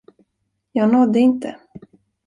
Jag nådde inte.